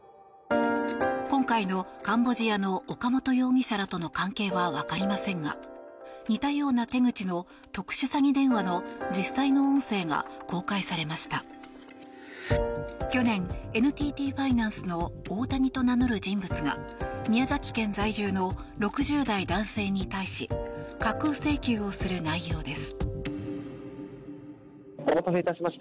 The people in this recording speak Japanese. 今回のカンボジアの岡本容疑者らとの関係は分かりませんが似たような手口の特殊詐欺電話の実際の音声が公開されました去年、ＮＴＴファイナンスのオオタニと名乗る人物が宮崎県在住の６０代男性に対し架空請求をする内容です。